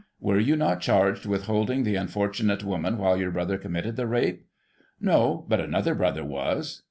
' Were you not charged with holding the unfortunate woman while your brother committed the rape? — No, but another brother was.